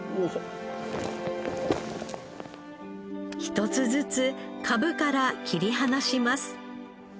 一つずつ株から切り離します。